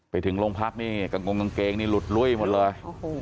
ไปถึงโรงพักนี่กางกงกางเกงนี่หลุดลุ้ยหมดเลย